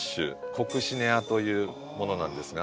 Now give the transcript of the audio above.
コクシネアというものなんですが。